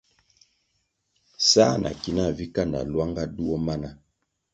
Sā na ki nah vi kanda lwanga duo mana.